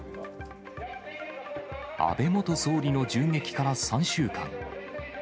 安倍元総理の銃撃から３週間。